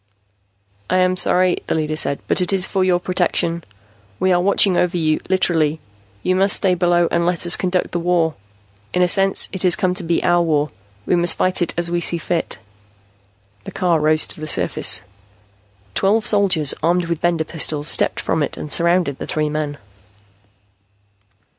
"I am sorry," the leader said, "but it is for your protection. We are watching over you, literally. You must stay below and let us conduct the war. In a sense, it has come to be our war. We must fight it as we see fit." The car rose to the surface. Twelve soldiers, armed with Bender pistols, stepped from it and surrounded the three men.